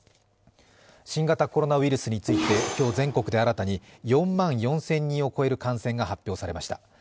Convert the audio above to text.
新型コロナウイルスについて、今日全国で新たに４万４０００人を超える感染が発表されました。